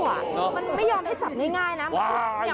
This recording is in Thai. มันไม่ยอมให้จับง่ายนะ